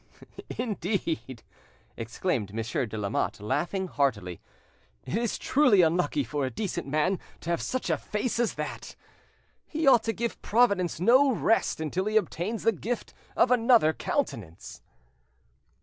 "Indeed," exclaimed Monsieur de Lamotte, laughing heartily, "it is truly unlucky for a decent man to have such a face as that! He ought to give Providence no rest until he obtains the gift of another countenance."